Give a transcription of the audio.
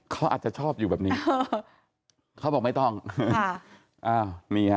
เขาอาจจะชอบอยู่แบบนี้